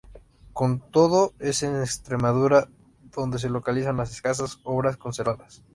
Con todo, es en Extremadura donde se localizan las escasas obras conservadas.